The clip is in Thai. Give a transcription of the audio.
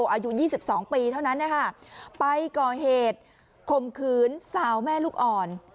อายุยี่สิบสองปีเท่านั้นนะคะไปก่อเหตุคมคืนสาวแม่ลูกอ่อน